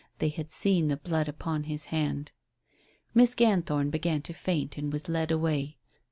They had seen the blood upon his hand. Miss Ganthorn began to faint and was led away.